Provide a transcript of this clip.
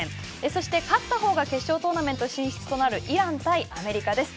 そして、勝った方が決勝トーナメント進出となるイラン対アメリカです。